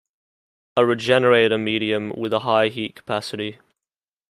A regenerator is a porous medium with a high heat capacity.